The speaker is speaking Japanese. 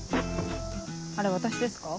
あれ私ですか？